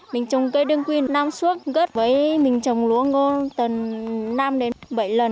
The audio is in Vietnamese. mình trồng cây đơn quy năm suốt gớt với mình trồng lúa ngô tầng năm đến bảy lần